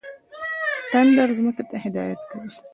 تندر ځمکې ته هدایت کوي.